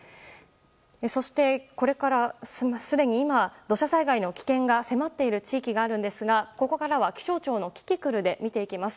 そして、すでに今土砂災害の危険が迫っている地域があるんですがここからは気象庁のキキクルで見ていきます。